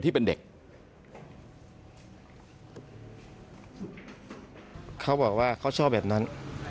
ทีมข่าวเราก็พยายามสอบปากคำในแหบนะครับ